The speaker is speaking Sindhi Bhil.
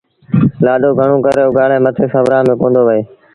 لآڏو گھڻوݩ ڪري اُگھآڙي مٿي سُورآݩ ميݩ ڪوندو وهي